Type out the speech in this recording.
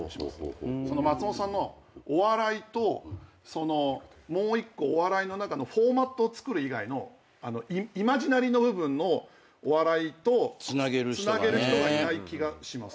その松本さんのお笑いともう一個お笑いの中のフォーマット作る以外のイマジナリーの部分のお笑いとつなげる人がいない気がします。